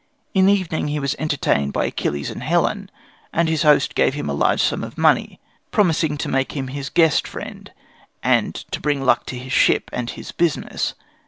In the evening he was entertained by Achilles and Helen, and his host gave him a large sum of money, promising to make him his guest friend and to bring luck to his ship and his business.